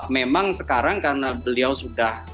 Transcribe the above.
memang sekarang karena beliau sudah